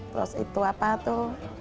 terus itu apa tuh